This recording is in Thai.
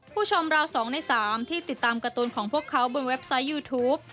ผู้ชมเรา๒ใน๓ที่ติดตามการ์ตูนของพวกเขาบนเว็บไซต์ยูทูป